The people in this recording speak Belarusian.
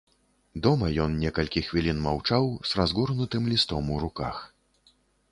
Дома ён некалькі хвілін маўчаў з разгорнутым лістом у руках.